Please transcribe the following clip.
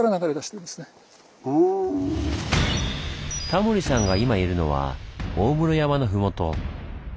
タモリさんが今いるのは大室山のふもと。